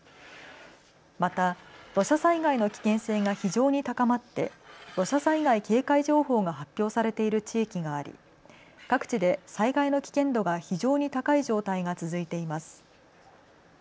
また土砂災害の危険性が非常に高まって土砂災害警戒情報が発表されている地域があり各地で災害の危険度が非常に高い状態が続いています。